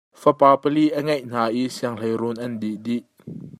Fapa pali a ngeih hna i sianghleiruun an dih dih.